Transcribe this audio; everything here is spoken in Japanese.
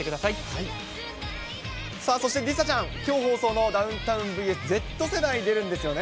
さあそして梨紗ちゃん、きょう放送の、ダウンタウンＶＳＺ世代に出るんですよね。